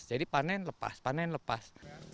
jadi panen lepas panen lepas